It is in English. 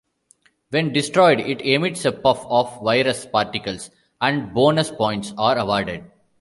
When destroyed it emits a puff of virus particles, and bonus points are awarded.